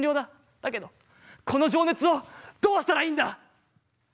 だけどこの情熱をどうしたらいいんだ！